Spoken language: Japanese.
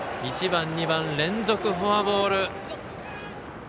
１番、２番連続フォアボール。